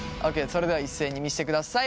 それでは一斉に見せてください。